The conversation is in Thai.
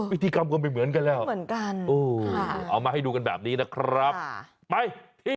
พิธีกรรมก็ไม่เหมือนกันแล้วเหมือนกันเอามาให้ดูกันแบบนี้นะครับไปที่